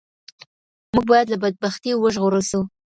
موږ باید له بدبختیو وژغورل سو.